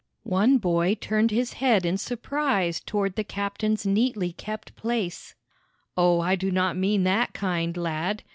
One boy turned his head in surprise toward the captain's neatly kept place. "O, I do not mean that kind, lad!